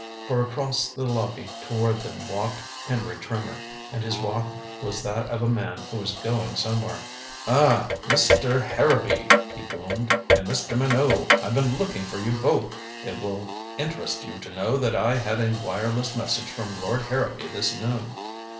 For across the lobby toward them walked Henry Trimmer, and his walk was that of a man who is going somewhere. "Ah Mister Harrowby," he boomed, "and Mr. Minot I've been looking for you both. It will interest you to know that I had a wireless message from Lord Harrowby this noon."